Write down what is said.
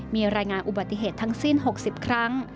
มีรายงานอุบัติเหตุทั้งสิ้น๖๐ครั้ง